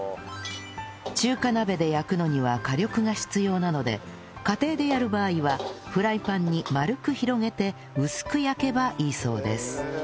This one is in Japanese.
中華鍋で焼くのには火力が必要なので家庭でやる場合はフライパンに丸く広げて薄く焼けばいいそうです